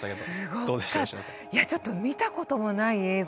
いやちょっと見たこともない映像